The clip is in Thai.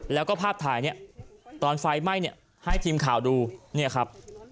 แล้วก็ภาพถ่ายเนี่ยตอนไฟไหม้เนี่ยให้ทีมข่าวดูเนี่ยครับ